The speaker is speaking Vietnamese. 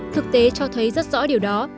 thực tế cho thấy rất rõ điều đó